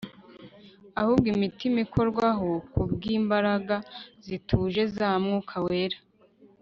ahubwo imitima ikorwaho kubwimbaraga zituje za Mwuka Wera